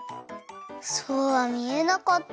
そうはみえなかったけど。